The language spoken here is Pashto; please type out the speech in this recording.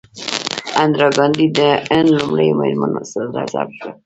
اندرا ګاندي د هند لومړۍ میرمن صدراعظم شوه.